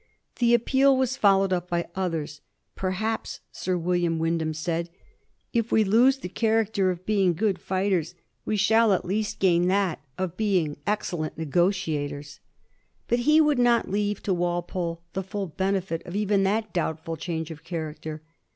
The appeal was followed up by others. " Per haps," Sir William Wyndham said, "if we lose tbe char acter of being good fighters, we shall at least gain tbat 1788. WYNDHAM'S TAUNTS. 157 of being excellent negotiators." But he ^vDuld not leave to Walpole the fall benefit of even that doubtfal change of character.